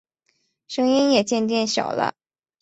声音也渐渐小了